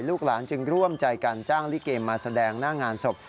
หลานจึงร่วมใจการจ้างลิเกมาแสดงหน้างานศพ